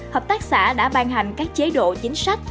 hợp tác xã đã ban hành các chế độ chính sách